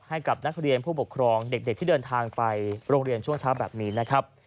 ให้กับนักเรียนผู้ปกครองเด็กที่เดินทางไปโรงเรียนช่วงเช้าแบบนี้นะครับ